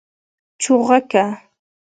🐦 چوغکه